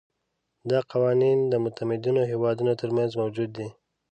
دا قوانین د متمدنو هېوادونو ترمنځ موجود دي.